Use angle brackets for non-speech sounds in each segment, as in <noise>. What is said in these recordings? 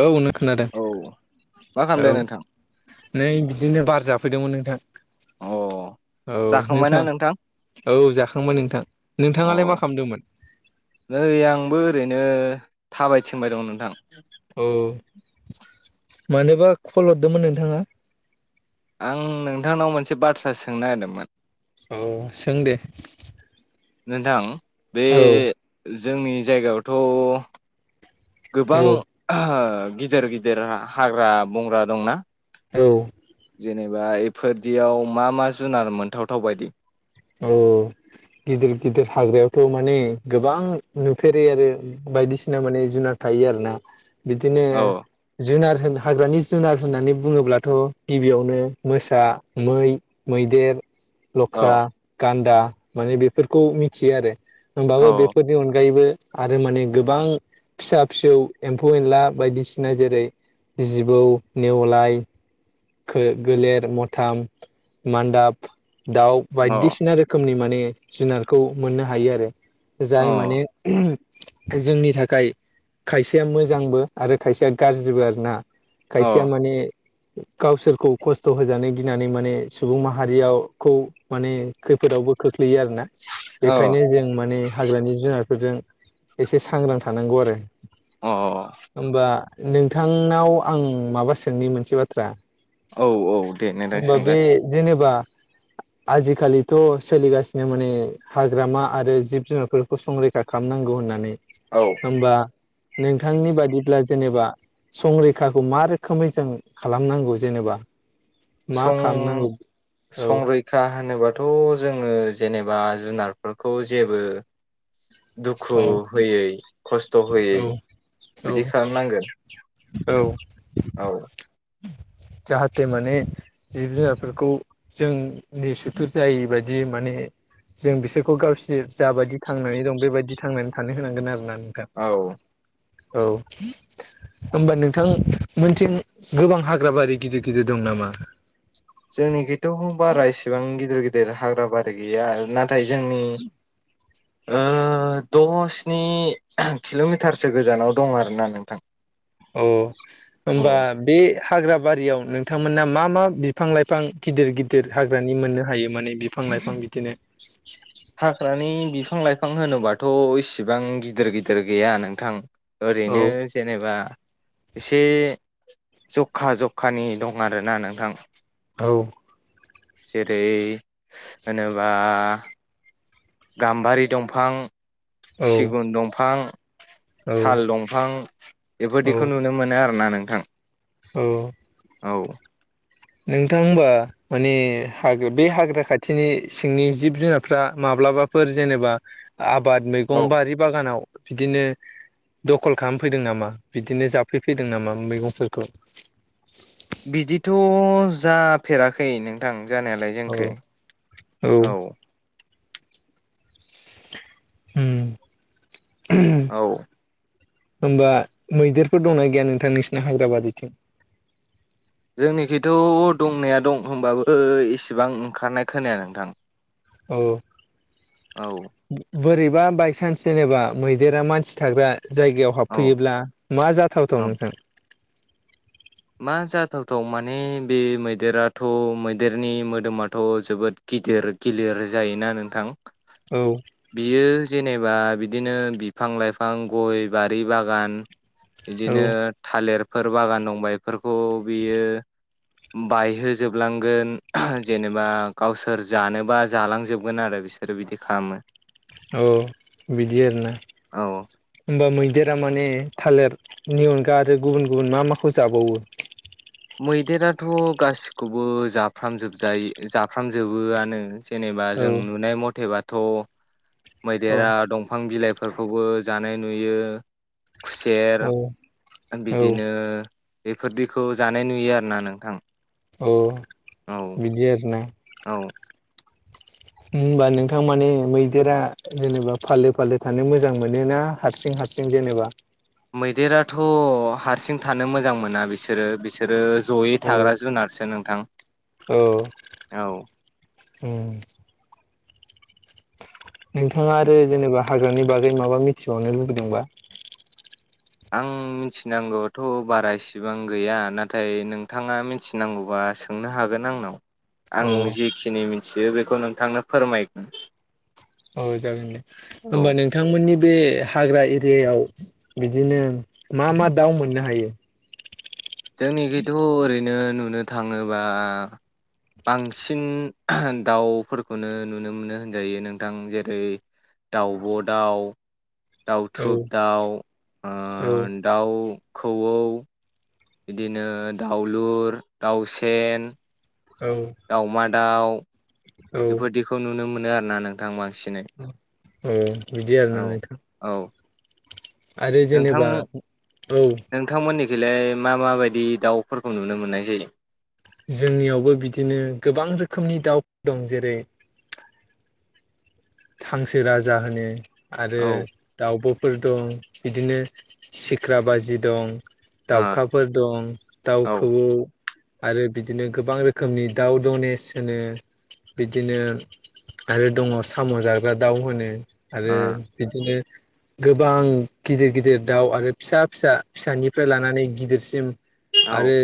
औ नों खोनादों औ मा खालामदों औ नोंथां नै बिदिनो बार जाफैदोंमोन नोंथाङा। अ औ जाखांबायना नोंथां नोंथाङा औ जाखांमोन नोंथां। नोंथाङालाय अ मा खालामदोंमोन? नै आंबो ओरैनो थाबाय थिंबाय दं नोंथां। औ मानोबा कल हरदोंमोन नोंथाङा? आं नोंथांनाव मोनसे बाथ्रा सोंनो नागिरदोंमोन। औ सों दे। नोंथां बे औ जोंनि जायगायावथ गोबां औ गिदिर गिदिर हाग्रा बंग्रा दंना औ जेनेबा इफोरदियाव मा मा जुनार मोनथावथाव बायदि औ गिदिर गिदिर हाग्रायावथ माने गोबां नुफेरै आरो बायदिसिना माने जुनाद हायो आरो ना बिदिनो औ जुनार होन हाग्रानि जुनार होननानै बुंङोब्लाथ गिबियावनो मोसा मै मैदेर लख्रा औ गान्दा माने बेफोरखौ मिथियो आरो होमबाबो औ बेफोरनि अनगायैबो आरो माने गोबां फिसा फिसौ एम्फौ एनला बायदिसिना जेरै जिबौ नेवलाय खो गोलेर मथाम मान्दाब दाउ औ बायदिसिना रोखोमनि मोन नि जुनारखौ मोननो हायो आरो जाय अ माने जोंनि थाखाय खायसेया मोजांबो आरो खायसेया गाज्रिबो आरो ना खायसेया अ माने गावसोरखौ खस्थ होजानो गिनानै माने सुबुं माहारियाव खौ माने खैफोदावबो खो ख्लैयो आरो ना अ बेखायनो जों माने हाग्रानि जुनारफोरजों एसे सांग्रां थानांगौ आरो अ होमबा नोंथांनाव आं माबा सोंनि मोनसे बाथ्रा औ औ दे नोंथां होमबा बे सोंलाय जेनेबा <inaudible> आजिखालिथ सोलिगासिनो माने हाग्रामा आरो जिब जुनारफोरखौ संरैखा खालामनांगौ गौ होननानै औ होमबा नोंथांनि बादिब्ला जेनेबा संरैखाखौ मा रोखोमै जों खालामनांगौ जेनेबा मा सं खालामनांगौ औ संरैखा आंनोबाथ' जोङो जेनेबा जुनारफोरखौ जेबो दुखु औ होयै खस्थ होयै औ बिदि औ खालामनांगोन। औ औ जाहाथे माने जिब जुनारफोरखौ जों निसुथुर जायै बायदि माने जों बिसोरखौ गावसोर जाबायदि थांनानै दं बेबायदि थांनानै थानो होनांगोन आरो ना। औ औ होमबा नोंथां मोनथिं गोबां हाग ग्राबारि गिदिर गिदिर दं नामा? जोंनि खैथ' बारा इसेबां गिदिर गिदिर हाग्राबारि गैया ना थाय जोंनि ओ दसनि किल मिटारसो गोजानाव दं आरोना नोंथां। औ औ होमबा बे हाग्रा बारियाव नोंथांमोना मा मा बिफां लाइफां गिदिर गिदिर हाग्रानि मोननो हायो। माने बिफां फां लाइफां बिदिनो हाग्रानि बिफां लाइफां होनोबाथ' इसिबां गिदिर गिदिर गैया नोंथां। औ ओरैनो जेनेबा एसे ज'खा ज'खानि दं आरोना नोंथां। औ जेरै होनोबा गाम्बारि दंफां, औ सिगुन दंफां साल दंफां औ बेफोरदिखौ नुनो मोनो आरोना नोंथां‌। औ औ नोंथां होमबा माने हाग बे हाग्रा खाथिनि सिंनि जिब जुनारफ्रा माब ब्लाबाफोर जेनेबा आबाद मैगं बारि बागानाव बिदिनो दखल खालामफैदों नामा? बिदिनो जाफैफैदों नामा मैगंफोरखौ बिदिथ' जाफेराखै नोंथां। जानायालाय औ जोंखै औ उम औ होमबा मैदेरफोर दंना गैया नोंथां नोंसिना हाग्राबारिथिं? जोंनिखिथ' दंनाया दं होमबो इसेबां ओंखारनाय खोनाया नोंथां। औ औ बोरि बा बायसान्स जेनेबा मैदेरा मानसि थाग्रा जायगायाव औ हाबफैयोब्ला मा जाथावथाव औ नोंथां। मा जाथावथाव माने बे मैदेराथ' मैदेरनि मोदोमाथ' जोबोद गिदिर गिलिर जायोना नोंथां औ बियो जेनेबा बिदिनो बिफां लाइफां गय बारि बागान इदिनो औ थालेर फोर बागान दंबा इफोरखौ बियो बायहोजोबलांगोन जेनेबा गावसोर जानोबा जालांजोबगोन आरो। बिसोरो बिदि खामो। औ बिदि आरोना औ होमबा मै देरा माने थालेरनि अनगा आरो गुबुन गुबुन मा माखौ जाबावो? मैदेराथ' गासिखौबो जाफ्रामजोबजाय जाफ्रामजोबोआनो। जेनेबा औ जों नुनाय मथेबाथ' औ मैदेरा दंफां बिलाइ फोरखौबो जानाय नुयो। खुसेर औ औ बिदिनो बेफोर दैखौ जानाय नुयो आरोना नोंथां। औ औ बिदि आरोना औ होमबा नोंथां माने मैदेरा जेनेबा फालो फालो थानो मोजां मोनो ना हारसिं हार हारसिं जेनेबा मैदेराथ' हारसिं थानो मोजां मोना बिसोरो बिसोरो जयै औ थाग्रा जुनारसो नोंथां औ औ ओम नोंथाङा आरो जेनेबा हाग्रानि बागै माबा मिथिबावनो लुबैदोंबा आं मिथिनांगौथ' बारा इसिबां गैया नाथाय नोंथाङा मिथिनांगौबा सोंनो हागोन आंनाव आं औ जिखिनि मिथियो बेखौ नोंथांनो फोरमायगोन औ जागोन दे औ होमबा नोंथांमोननि बे हाग्रा एरियायाव बिदिनो मा मा दाउ मोननो हायो जोंनिखिथ' ओरैनो नुनो थाङोबा बांसिन दाउफोरखौनो नुनो मोनो होनजायो नोंथां जेरै दाउब' दाउ औ दाउथुब दाउ अ औ दाउ खौवौ बिदिनो दाउलुर दाउसेेन औ दाउ औ बेफोरदिखौ नुनो मोनो आरो ना नोंथां बांसिन औ बिदि आरो औ ना नोंथां औ आरो नोंथां जेनेबा औ नोंथांमोननिखैलाय मा माबायदि दाउफोरखौ नुनो मोननाय जायो जोंनियावबो बिदिनो गोबां रोखोमनि दाउ दं जेरै हांसो राजा होनो आरो औ दाउबो फोर दं बिदिनो सिख्रा बाजि दं ओ दाउखाफोर दं औ दाउखौ। आरो बिदिनो गोबां रोखोमनि दाउ दनेस होनो। बिदिनो आरो दङ साम' जा ग्रा दाउ होनो आरो बिदिनो। गोबां गिदिर गिदिर दाउ आरो फिसा फिसा फिसानिफ्राय लानानै गिदिरसिम। ओ आरो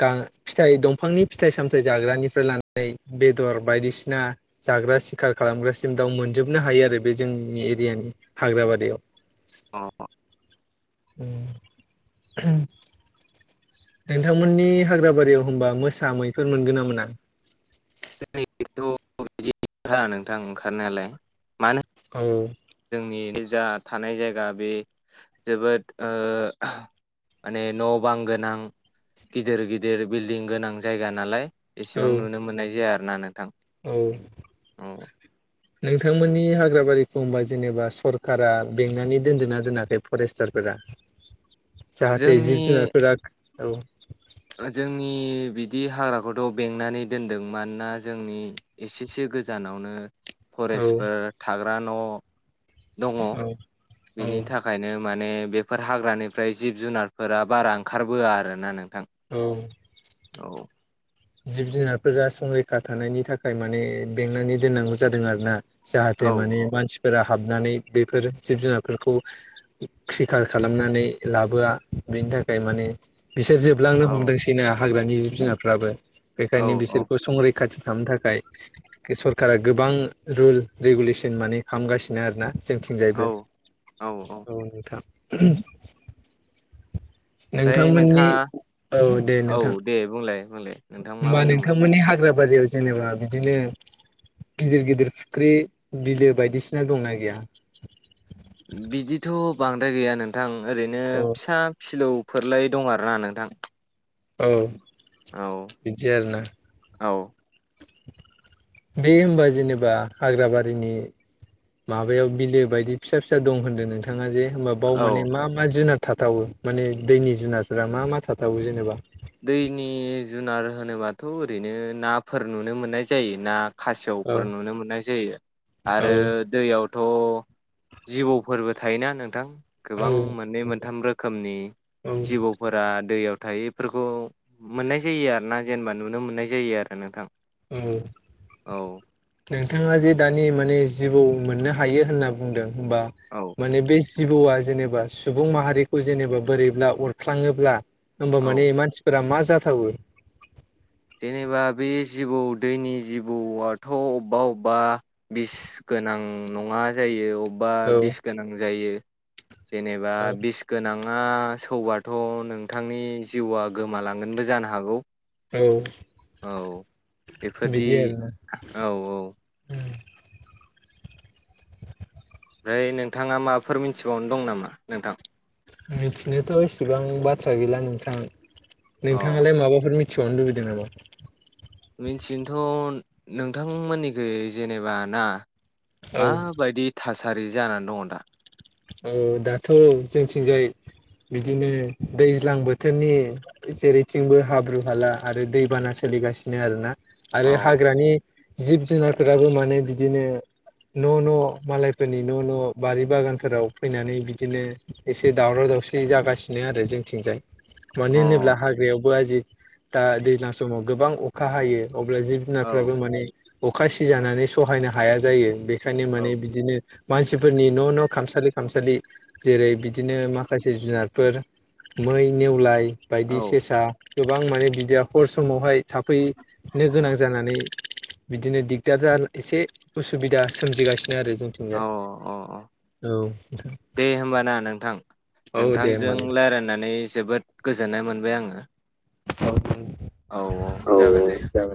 गा फिथाइ दंफांनि फिथाइ सामथाय जाग्रानिफ्राय लानानै बेदर बायदिसिना जाग्रा। सिखार खालामग्रासिम दाउ मोनजोबनो हायो आरो बे जोंनि एरियानि हाग्राबारियाव। अ उम नोंथांमोननि हाग्राबारियाव होनबा मोसा मैफोर मोनगोना मोना। <unintelligible> बिदि नोंथां ओंखारनायालाय मानो। औ। जोंनि जा थानाय जायगा बे जोबोद ओ माने न' बां गोनां गिदिर गिदिर बिल्डिं गोनां जायगा नालाय। औ एसेबां नुनो मोननाय जाया आरो ना नोंथां। औ औ नोंथांमोननि हाग्रा बारिखौ होनबा जेनेबा सरकारा बेंनानै दोनदोंना दोनाखै फरेस्टारफोर। रा जाहाथे जोंनि जिब जुनार फोराआ औ। जोंनि बिदि हाग्राखौथ' बेंनानै दोनदों मानोना जोंनि एसेसो। गोजानावनो। औ फरेस्टफोर थाग्रा न' दङ औ औ बिनि थाखायनो। माने बेफोर हाग्रानिफ्राय जिब-जुनारफोरा बारा ओंखारबोआ आरो ना नोंथां। औ औ जिब-जुनारफोरा संरैखा थानायनि थाखाय माने बेंनानै दोननांगौ जादों आरो ना। औ जाहाथे माने औ मानसिफोरा हाबनानै बेफोर जिब जुनारफोरखौ सिखार खालामनानै लाबोआ बे थाखाय माने। बिसोर जोबलांनो औ हमदोंसैना हाग्रानि जिब जुनारफ्राबो औ बेखायनो औ बिसोरखौ संरै खाथि खालामनो थाखाय सरकारा गोबां रुल रेगुलेसन माने खालामगासिनो आरो ना। औ जोंथिंजायबो औ नोंथां। ओमफ्राय नोंथांमोननि नोंथाङा औ दे औ नोंथां। दे बुंलाय बुंलाय नोंथां मा होमबा बुंदोंमोन नोंथांमोननि हाग्रा बारियाव जेनेबा बिदिनो गिदिर गिदिर फुख्रि बिलो बायदिसिना दंना गैया? बिदिथ' बांद्राय गैया नोंथां ओरैनो औ फिसा फिलौ। फोरलायै दं आरोना नोंथां। औ औ बिदि आरोना औ <inaudible> बे माबायाव बिलो बायदि फिसा फिसा दं होनदों नोंथाङा जे। होनबा बाव औ माने मा मा जुनाद थाथावो माने दैनि जुनारफोरा मा मा थाथावो जेनेबा। दैनि जुनार होनोबाथ' ओरैनो नाफोर नुनो मोननाय जायो ना। औ खासेवफोर नुनो मोननाय जायो औ आरो दैयाव। थ' जिबौफोरबो थायोना नोंथां। औ गोबां मोननै मोनथाम रोखोमनि औ जिबौफोरा दैयाव थायो। फोरखौ मोननाय जायो आरोना जेनेबा नुनो मोननाय जायो आरो नोंथां। औ औ नोंथाङा जे दानि माने जिबौ। मोननो हायो होनना बुंदों होनबा औ माने बै जिबौआ जेनेबा सुबुं माहारिखौ जेनेबा बोरैब्ला अरफ्लांङोब्ला ओमबा औ माने मानसिफोरा मा जाथावो जेनेबा बे जिबौ दैनि जिबौआथ ओबावबा ओबावबा बिस गो गोनां नंङा जायो अबौबा औ बिस गोनां जायो। जेनेबा औ बिस गोनां मा सौबाथ नोंथांनि जिउआ गोमालांगोनबो जानो हागौ। औ। औ एफोरदि बिदि आरोना औ औ। फ्राय नोंथांङा माबाफोर मिथिबावनो दं नामा नोंथां? मिथिनोथ इसिबां बाथ्रा गैला नोंथां अ नोंथांङालाय माबाफोर मि थिबावनो लुबैदों नामा? मिथिनोथ नोंथांमोननिखै जेनेबा ना औ माबायदि थासारि जानान दंङ दा? औ दाथ जोंनिथिंजाय बिदिनो दैज्लां बोथोरनि जेरैथिंबो हाब्रुु हाला आरो दैबाना सोम जिगासिनो आरोना अ आरो हाग्रानि जिब जुनारफोराबो माने बिदिनो‌ न' न' मालायफोरनि न' न' बारि बागान फोराव फैनानै बिदिनो एसे दावराव दावसि जागासिनो आरो जोंथिं जाय । अ मानो होनोब्ला हाग्रायावबो आजि दा दैज्लां समाव गोबां अखा हायो। अब्ला जिब औ जुनारफ्राबो माने अखा सिजानानै सहायनो हाया जायो बेखायनो औ माने बिदिनो मानसिफोरनि न' न' खामसालि खामसालि जेरै बिदिनो माखासे जुनारफोर मै नेवलाय बायदि औ सेसा गोबां माने बिदिया हर समावहाय थाफै नो गोनां जानानै बिदिनो दिगदार जान एसे उसुबिदा सोमजिगासिनो आरो अ जोंथिंजा। अ दे होमबा ना नोंथां औ दे नोंथांजों होमबा लायरायनानै जोबोद गोजोननाय मोनबाय आंङो। औ दे औ औ जागोन दे नोंथां